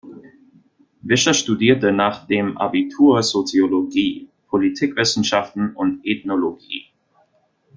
Wischer studierte nach dem Abitur Soziologie, Politikwissenschaften und Ethnologie.